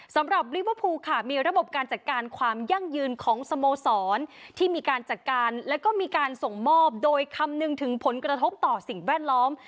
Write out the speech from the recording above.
สำหรับลิเวอร์พูลค่ะมีระบบการจัดการความยั่งยืนของสโมสรที่มีการจัดการแล้วก็มีการส่งมอบโดยคำนึงถึงผลกระทบต่อสิ่งแวดล้อม